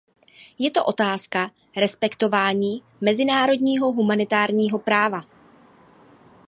Je to otázka respektování mezinárodního humanitárního práva.